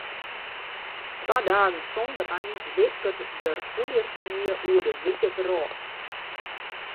Twa dagen sonder ein wisket der poeiersnie oer de wite wrâld.